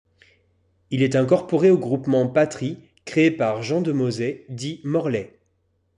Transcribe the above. Il est incorporé au groupement Patrie, créé par Jean Demozay dit Morlaix.